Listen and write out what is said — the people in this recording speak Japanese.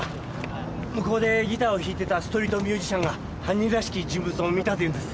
向こうでギターを弾いてたストリートミュージシャンが「犯人らしき人物を見た」と言うんです。